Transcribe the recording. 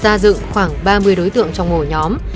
gia dựng khoảng ba mươi đối tượng trong ổ nhóm